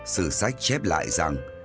sự sách chép lại rằng